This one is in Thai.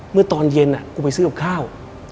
เมื่อตอนเย็นกูไปซื้อกับข้าว